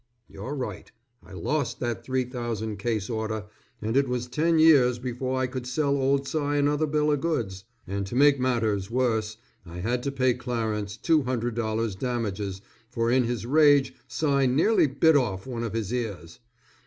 You're right, I lost that three thousand case order, and it was ten years before I could sell old Cy another bill of goods, and to make matters worse, I had to pay Clarence $200 damages, for in his rage Cy nearly bit off one of his ears.